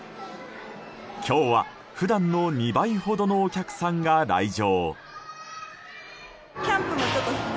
今日は普段の２倍ほどのお客さんが来場。